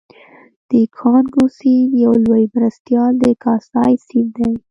د کانګو سیند یو لوی مرستیال د کاسای سیند دی